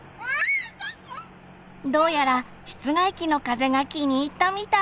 どうやら室外機の風が気に入ったみたい。